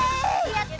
やった！